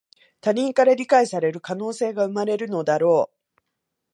他人から理解される可能性が生まれるのだろう